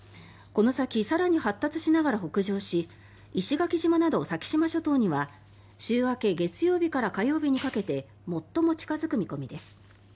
この先、更に発達しながら北上し石垣島など先島諸島には週明け月曜日から火曜日にかけて最も近付く見込みです。